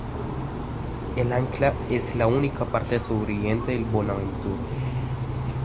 El ancla es la única parte sobreviviente del "Bonaventure".